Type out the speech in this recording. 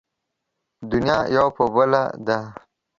دنيا يو په بله ده.